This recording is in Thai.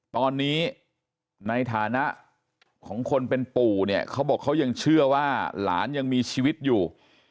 ตอนนี้ในฐานะของคนเป็นปู่เนี่ยเขาบอกเขายังเชื่อว่าหลานยังมีชีวิตอยู่